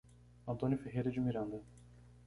Antônio Ferreira de Miranda